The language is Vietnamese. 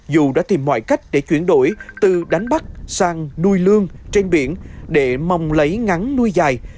dù đã tìm mọi cách để chuyển đổi từ đánh bắt sang nuôi lương trên biển để mong lấy ngắn nuôi dài